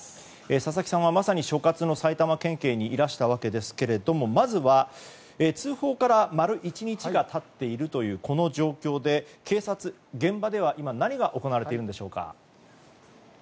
佐々木さんは、まさに所轄の埼玉県警にいらしたわけですがまずは通報から丸１日が経っている状況で警察、現場では今何が行われているのでしょうか。